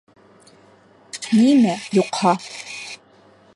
Нимә, юҡһа?!